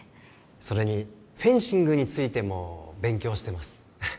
それにフェンシングについても勉強してます